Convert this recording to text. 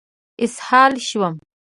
اسهال شوم.